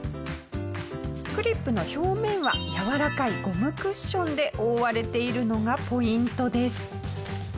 クリップの表面はやわらかいゴムクッションで覆われているのがポイントです。